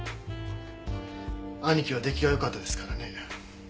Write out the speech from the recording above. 兄貴は出来が良かったですからね。